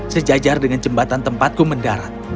sejajar dengan jembatan tempatku mendarat